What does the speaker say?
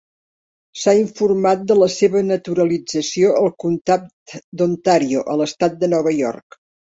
S'ha informat de la seva naturalització al Comtat d'Ontario a l'Estat de Nova York.